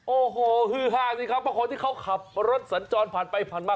โอ้โหฮือฮาสิครับเพราะคนที่เขาขับรถสัญจรผ่านไปผ่านมา